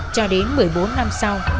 cho đến một mươi bốn năm sau